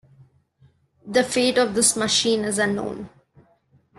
The fate of this machine is unknown.